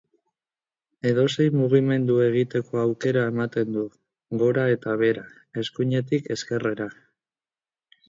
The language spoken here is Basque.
Edozein mugimendu egiteko aukera ematen du, gora eta behera, eskuinetik ezkerrera.